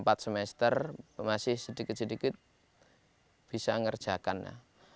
itu tadi ya empat semester masih sedikit sedikit bisa ngerjakan ya